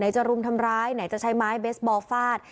จะรุมทำร้ายไหนจะใช้ไม้เบสบอลฟาด